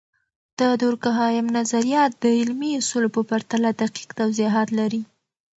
د دورکهايم نظریات د علمي اصولو په پرتله دقیق توضیحات لري.